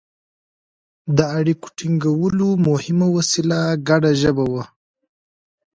د اړیکو ټینګولو مهمه وسیله ګډه ژبه وه.